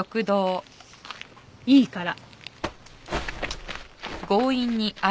いいから。